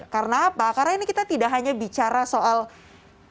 karena apa karena ini kita tidak hanya bicara soal kondisi saat ini saja